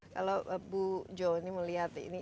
kalau bu jo ini melihat ini